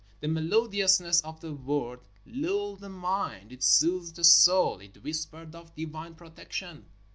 The melodiousness of the word lulled the mind. It soothed the soul. It whispered of divine protection.